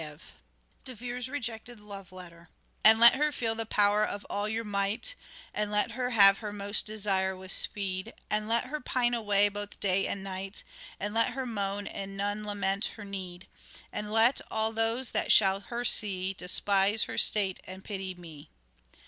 LYRIC POETRY OF EDWARD DE VERE 191 De Vere's " Rejected Lover ":" And let her feel the power of all your might, And let her have her most desire with speed, And let her pine away both day and night, And let her moan and none lament her need, And let all those that shall her see Despise her state and pity me."